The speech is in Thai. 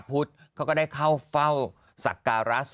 ไห่โซเซนต์